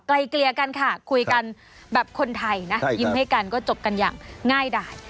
เกลียกันค่ะคุยกันแบบคนไทยนะยิ้มให้กันก็จบกันอย่างง่ายดาย